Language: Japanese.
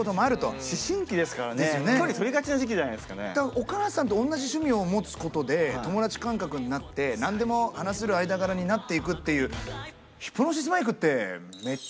お母さんと同じ趣味を持つことで友達感覚になって何でも話せる間柄になっていくっていう。